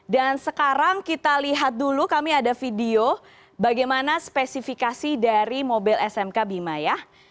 dan sekarang kita lihat dulu kami ada video bagaimana spesifikasi dari mobil smk bima ya